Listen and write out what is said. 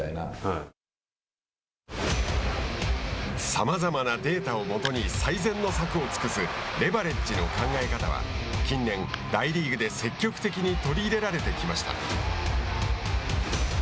さまざまなデータを基に最善の策を尽くすレバレッジの考え方は近年大リーグで積極的に取り入れられてきました。